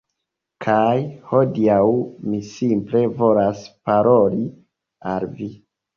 Kaj hodiaŭ mi simple volas paroli al vi.